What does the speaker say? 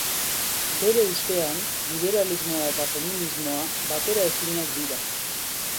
Bere ustean liberalismoa eta feminismoa bateraezinak dira.